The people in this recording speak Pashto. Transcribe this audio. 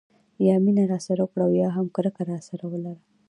یا مینه راسره وکړه او یا هم کرکه راسره ولره.